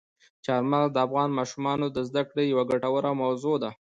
چار مغز د افغان ماشومانو د زده کړې یوه ګټوره موضوع ده.